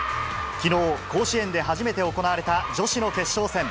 きのう、甲子園で初めて行われた、女子の決勝戦。